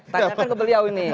tanyakan ke beliau ini